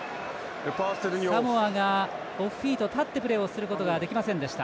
サモアがオフフィート立ってプレーをすることができませんでした。